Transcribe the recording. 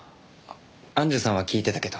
庵主さんは聞いてたけど。